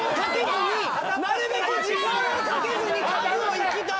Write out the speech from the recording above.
なるべく時間をかけずに数をいきたい！